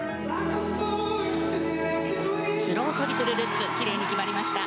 スロウトリプルルッツ奇麗に決まりました。